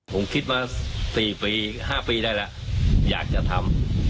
ผมคิดมา๔ปี๕ปีได้แล้วอยากจะทำ